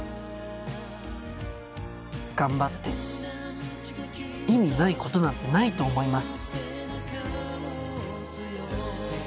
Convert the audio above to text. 頑張って意味ないことなんてないと思います。